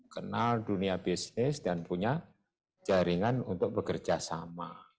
kenal dunia bisnis dan punya jaringan untuk bekerja sama